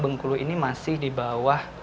bengkulu ini masih di bawah